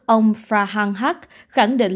ông frahan haque khẳng định